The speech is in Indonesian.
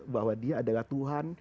bahwa dia adalah tuhan